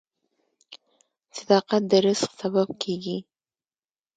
• صداقت د رزق سبب کیږي.